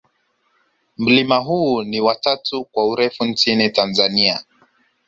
mlima huu ni wa tatu kwa urefu nchini tanzania